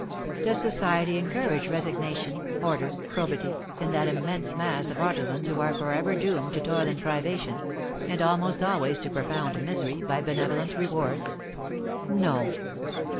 Does society encourage resignation, order, probity, in that immense mass of artisans who are for ever doomed to toil and privation, and almost always to profound misery, by benevolent rewards? No.